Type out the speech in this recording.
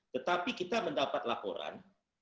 tetapi kita mendapat laporan